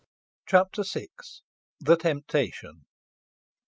CHAPTER VI. THE TEMPTATION.